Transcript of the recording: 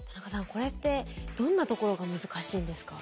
これってどんなところが難しいんですか？